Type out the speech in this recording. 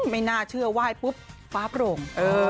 ไม่น่าเชื่อไว้ปุ๊บป๊าบลง